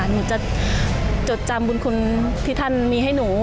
หนูจะจดจำบุญคุณที่ท่านมีให้หนู